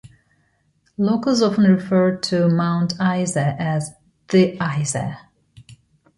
Locals often refer to Mount Isa as "The Isa".